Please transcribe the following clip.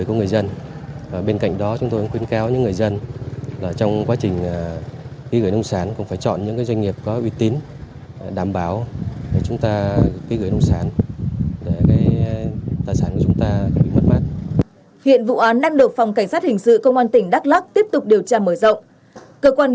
cho các chủ nợ và những người mua bán ký gửi nông sản của rất nhiều người khác để lấy tiền trả nợ cũ